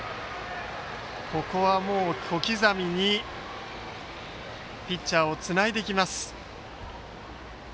ここはもう小刻みにピッチャーをつないでいきます。